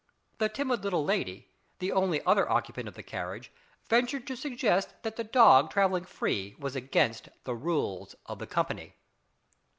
A timid little lady, the only other occupant of the carriage, ventured to suggest that the dog travelling free was against the rules of the company.